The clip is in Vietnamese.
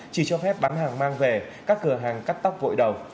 chỉ cho phép bán hàng mang về các cửa hàng cắt tóc vội đầu